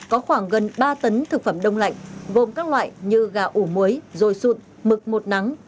có khoảng gần ba tấn thực phẩm đông lạnh gồm các loại như gà ủ muối rồi sụn mực một nắng